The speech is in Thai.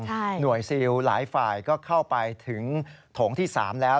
หน่วยซิลหลายฝ่ายก็เข้าไปถึงโถงที่๓แล้ว